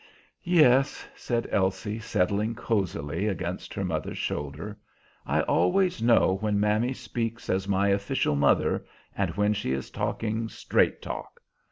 "Yes," said Elsie, settling cosily against her mother's shoulder. "I always know when mammy speaks as my official mother, and when she is talking 'straight talk.'